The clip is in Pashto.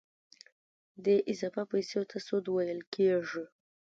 دې اضافي پیسو ته سود ویل کېږي